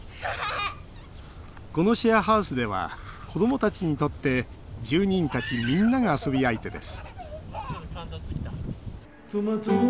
このシェアハウスでは子どもたちにとって住人たちみんなが遊び相手です